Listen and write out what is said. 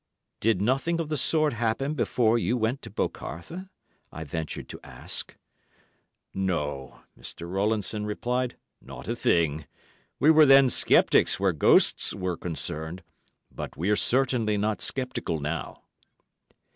"Did nothing of the sort happen before you went to 'Bocarthe'?" I ventured to ask. "No," Mr. Rowlandson replied, "not a thing. We were then sceptics where ghosts were concerned, but we're certainly not sceptical now."